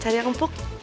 cari yang empuk